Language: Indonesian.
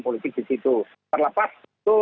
politik disitu terlepas itu